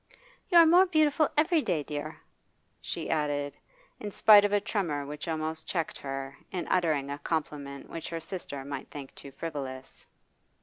'You are more beautiful every day, dear,' she added, in spite of a tremor which almost checked her in uttering a compliment which her sister might think too frivolous.